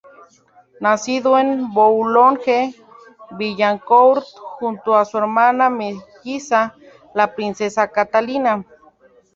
Nacido en Boulogne-Billancourt, junto a su hermana melliza, la princesa Catalina.